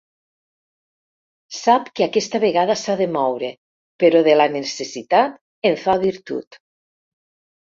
Sap que aquesta vegada s'ha de moure, però de la necessitat en fa virtut.